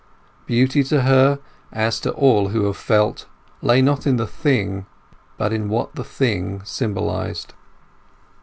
Beauty to her, as to all who have felt, lay not in the thing, but in what the thing symbolized.